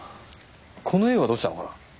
この絵はどうしたのかな？